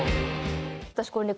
私これね